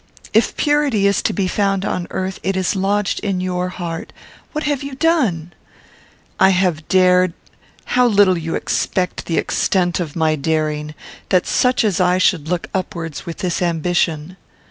If purity is to be found on earth, it is lodged in your heart. What have you done?" "I have dared how little you expect the extent of my daring! That such as I should look upwards with this ambition."